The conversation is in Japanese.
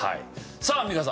さあアンミカさん。